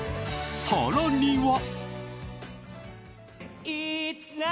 更には。